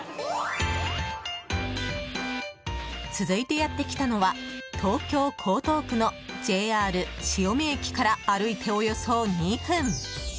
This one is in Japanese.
続いてやってきたのは東京・江東区のＪＲ潮見駅から歩いておよそ２分。